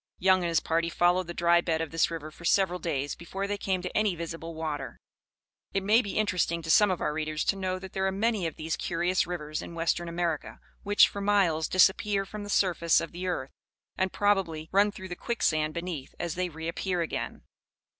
Young and his party followed the dry bed of this river for several days before they came to any visible water. It may be interesting to some of our readers to know that there are many of these curious rivers in western America, which, for miles disappear from the surface of the earth, and, probably, run through the quicksand beneath, as they reappear again.